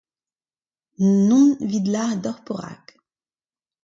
N'on evit lâret deoc'h perak.